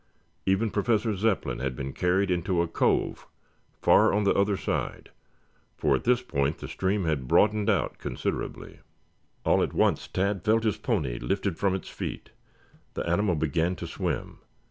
Even Professor Zepplin had been carried into a cove far on the other side, for at this point the stream had broadened out considerably. All at once Tad felt his pony lifted from its feet. The animal began to swim.